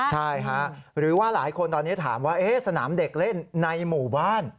ใช่ฮะหรือว่าหลายคนตอนนี้ถามว่าสนามเด็กเล่นในหมู่บ้าน